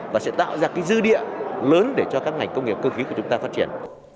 và sẽ tạo ra dư địa lớn để cho các ngành công nghiệp cơ khí của chúng ta phát triển